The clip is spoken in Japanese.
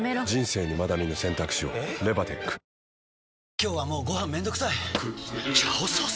今日はもうご飯めんどくさい「炒ソース」！？